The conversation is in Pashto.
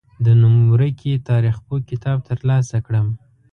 د نوم ورکي تاریخپوه کتاب تر لاسه کړم.